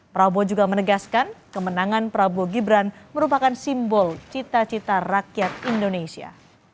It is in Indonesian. prabowo juga menegaskan kemenangan prabowo gibran merupakan simbol cita cita rakyat indonesia